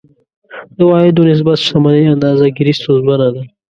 د عوایدو نسبت شتمنۍ اندازه ګیري ستونزمنه ده.